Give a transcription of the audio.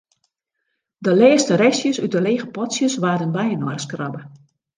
De lêste restjes út de lege potsjes waarden byinoarskrabbe.